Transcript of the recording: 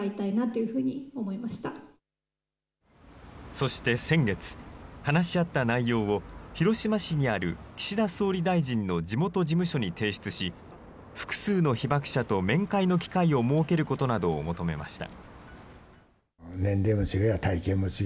そして先月、話し合った内容を広島市にある岸田総理大臣の地元事務所に提出し、複数の被爆者と面会の機会を設けることなどを求めました。